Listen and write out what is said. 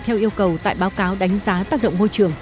theo yêu cầu tại báo cáo đánh giá tác động môi trường